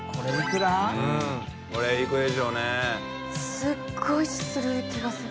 すごいする気がする。